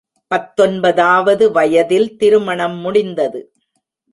பத்தொன்பதாவது வயதில் திருமணம் முடிந்தது.